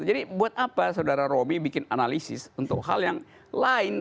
jadi buat apa saudara romy bikin analisis untuk hal yang lain